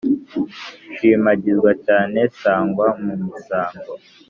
shimagizwa cyane, sangwa mu misango,